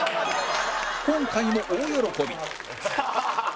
今回も大喜び